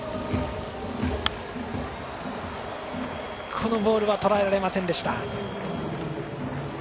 このボールはとらえられませんでした。